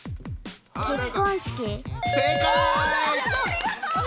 ありがとう！